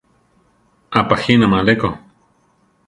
Apajínama aleko.